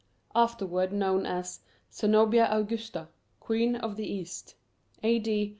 [Afterward known as "Zenobia Augusta, Queen of the East."] A.D.